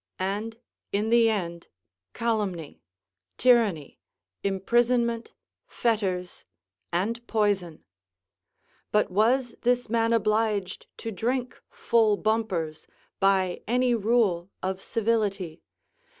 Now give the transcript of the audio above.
And, in the end, calumny, tyranny, imprisonment, fetters, and poison. But was this man obliged to drink full bumpers by any rule of civility?